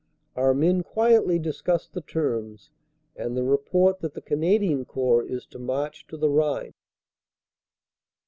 Our men quietly discuss the terms and the report that the Canadian Corps is to march to the Rhine.